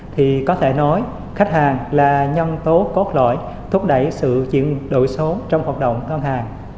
thì có thể nói khách hàng là nhân tố cốt lõi thúc đẩy sự chuyển đổi số trong hoạt động ngân hàng